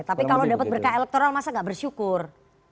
tapi kalau dapat berkah elektoral masa gak bersyukur